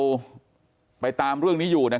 กลุ่มตัวเชียงใหม่